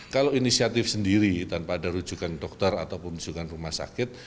kalau inisiatif sendiri tanpa ada rujukan dokter ataupun rujukan rumah sakit